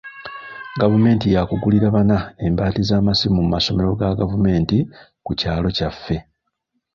Gavumenti yaakugulira baana embaati z'amasimu mu masomero ga gavumenti ku kyalo kyaffe.